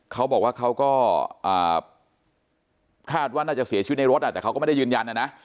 เขาบอกว่าเขาก็คาดว่าน่าจะเสียชีวิตในรถแต่เขาก็ไม่ได้ยืนยันนะนะ